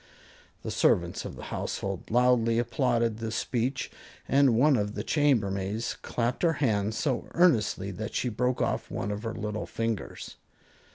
The servants of the household loudly applauded this speech, and one of the chambermaids clapped her hands so earnestly that she broke off one of her little fingers.